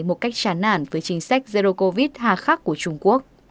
một cách trán nản với chính sách zero covid hạ khắc của trung quốc